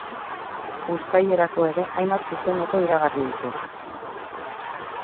Uztailerako ere hainbat zuzeneko iragarri ditu.